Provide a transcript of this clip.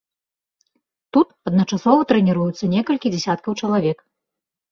Тут адначасова трэніруюцца некалькі дзясяткаў чалавек.